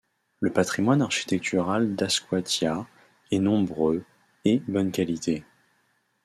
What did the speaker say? Le patrimoine architectural d'Azkoitia et nombreux et bonne qualité.